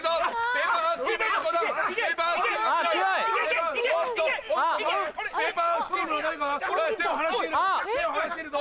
手を離しているぞ。